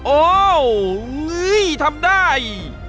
โอ้อื้อออทำได้